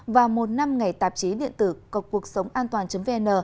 và một năm ngày tạp chí điện tử cộng cuộc sống an toàn vn